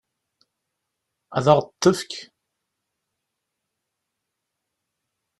Ad ɣ-t-tefk?